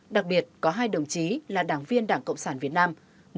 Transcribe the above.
đặc biệt có hai đồng chí là đảng viên đảng cộng sản việt nam